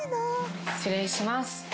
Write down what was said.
失礼します。